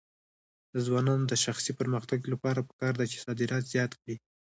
د ځوانانو د شخصي پرمختګ لپاره پکار ده چې صادرات زیات کړي.